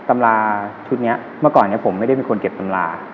เมื่อก่อนเนี่ยผมไม่ได้เป็นคนเก็บตำรา